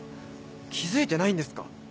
気付いてないんですか？